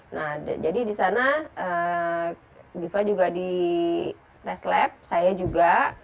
nah jadi di sana diva juga di tes lab saya juga